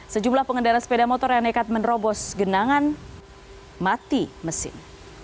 sejumlah pengendara sepeda motor yang nekat menerobos genangan mati mesin